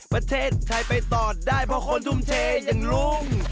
ประเทศไทยไปต่อได้เพราะคนทุ่มเทอย่างลุง